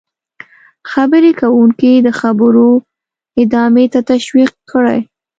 -خبرې کوونکی د خبرو ادامې ته تشویق کړئ: